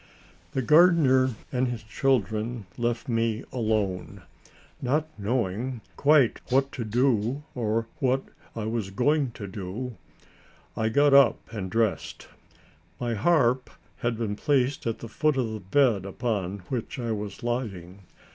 The gardener and his children left me alone. Not knowing quite what to do or what I was going to do, I got up and dressed. My harp had been placed at the foot of the bed upon which I was lying.